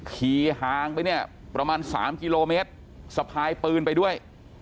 ขี่ห่างไปเนี่ยประมาณ๓กิโลเมตรสะพายปืนไปด้วย